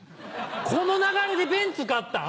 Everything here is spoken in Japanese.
この流れでベンツ買ったん？